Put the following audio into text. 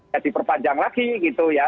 ya diperpanjang lagi gitu ya